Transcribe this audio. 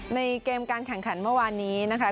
เกมการแข่งขันเมื่อวานนี้นะคะ